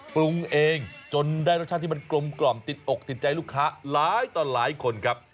ปรุงเองจนได้รสชาติที่มันกลมกล่อมติดอกติดใจลูกค้าหลายต่อหลายคนครับ